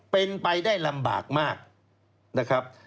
เป็นไปได้ลำบากมากนะครับ